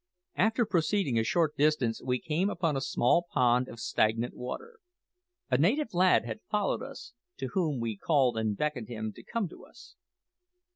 After proceeding a short distance we came upon a small pond of stagnant water. A native lad had followed us, to whom we called and beckoned him to come to us.